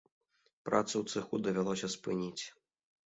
Працу ў цэху давялося спыніць.